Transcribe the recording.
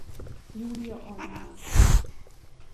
Júlia anyja.